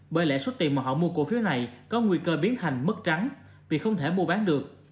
bởi lẽ số tiền mà họ mua cổ phiếu này có nguy cơ biến thành mất trắng vì không thể mua bán được